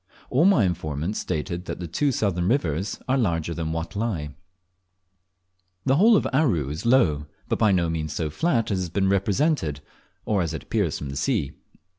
All my informants stated that the two southern rivers are larger than Watelai. The whole of Aru is low, but by no means so flat as it has been represented, or as it appears from the sea.